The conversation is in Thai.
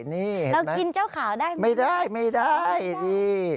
นี่เห็นไหมแล้วกินเจ้าขาวได้มั้ยไม่ได้ดี